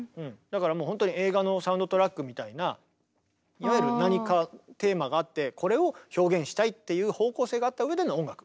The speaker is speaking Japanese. だからもうほんとに映画のサウンドトラックみたいないわゆる何かっていう方向性があった上での音楽。